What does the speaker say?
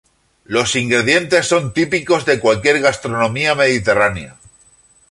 Los ingredientes son típicos de cualquier gastronomía mediterránea.